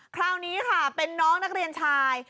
คราวนี้ค่ะเป็นน้องนักเรียนชาย